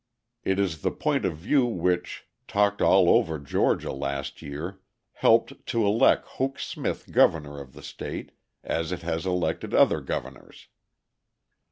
It is the point of view which, talked all over Georgia last year, helped to elect Hoke Smith governor of the state, as it has elected other governors.